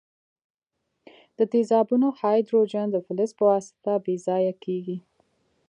د تیزابونو هایدروجن د فلز په واسطه بې ځایه کیږي.